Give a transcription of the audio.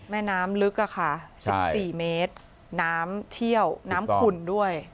แม่น้ำลึกอะค่ะ๑๔เมตรน้ำเที่ยวน้ำขุ่นด้วย